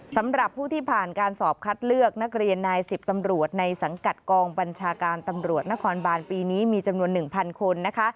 สำหรับผู้ที่ผ่านการสอบคัดเลือกนักเรียนนาย๑๐ตำรวจในสังกัดกองบัญชาการตำรวจนครบานปีนี้มีจำนวน๑๐๐คนนะคะ